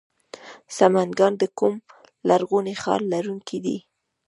سمنګان د کوم لرغوني ښار لرونکی دی؟